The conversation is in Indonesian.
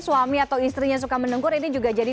suami atau istrinya suka mendengkur ini juga jadi